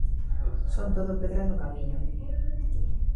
Son todo pedras no camiño.